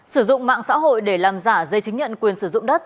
sử dụng mạng xã hội để làm giả dây chứng nhận quyền sử dụng đất